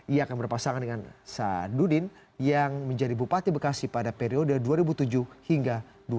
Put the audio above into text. ia akan berpasangan dengan sadudin yang menjadi bupati bekasi pada periode dua ribu tujuh hingga dua ribu dua puluh